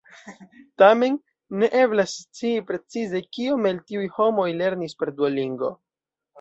Tamen, ne eblas scii precize kiom el tiuj homoj lernis per Duolingo.